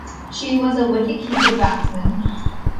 She was a wicketkeeper batsman.